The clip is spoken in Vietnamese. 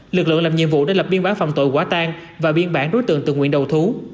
lực lượng làm nhiệm vụ đã lập biên bản phòng tội quả tang và biên bản đối tượng từ nguyện đầu thú